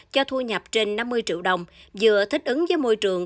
cho thu nhập trên năm mươi triệu đồng vừa thích ứng với môi trường